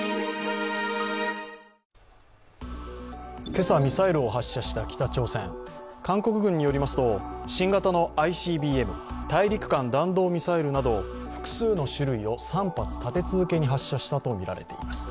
今朝、ミサイルを発射した北朝鮮韓国軍によりますと、新型のＩＣＢＭ＝大陸間弾道ミサイルなど複数の種類を３発立て続けに発射したとみられています。